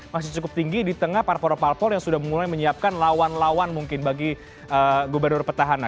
masih cukup tinggi di tengah parpol parpol yang sudah mulai menyiapkan lawan lawan mungkin bagi gubernur petahana